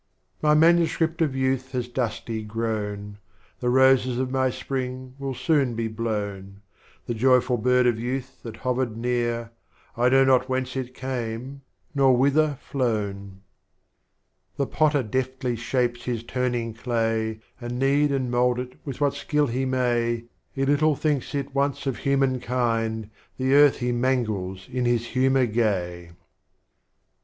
My Manuscript of Youth has dusty grown. The Roses of My Spring will soon be blown, The joyful Bird of Youth that hovered near,— I know not Whence it came, nor ^N'hither tlown. Strophes of Omar Khayyam. 49 The Potter deftly shapes his turning Clay, And knead and mould it with what Skill he may; He little thinks it once of Human kind, — The Earth he mangles in his Humor gay.